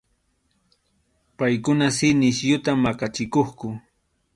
Paykuna si nisyuta maqachikuqku.